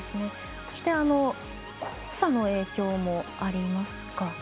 そして黄砂の影響もありますか。